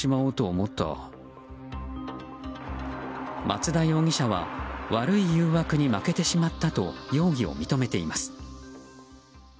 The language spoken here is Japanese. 松田容疑者は悪い誘惑に負けてしまったと容疑を認めています。